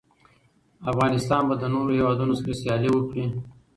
افغانستان به له نورو هېوادونو سره سیالي وکړي.